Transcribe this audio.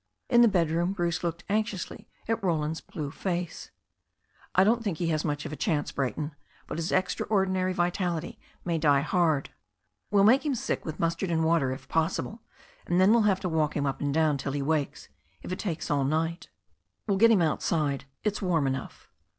In the bedroom Bruce looked anxiously at Roland's blue face. "I don't think he has much of a chance, Brayton. But his extraordinary vitality may die hard. We'll make him sick with mustard and water, if possible, and then we'll have to walk him up and down till he wakes, if it takes all night We'll get him outside. It's warm enough."